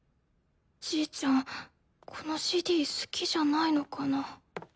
じいちゃんこのＣＤ好きじゃないのかな？